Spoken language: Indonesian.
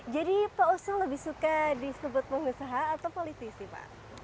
jadi pak osil lebih suka disebut pengusaha atau politisi pak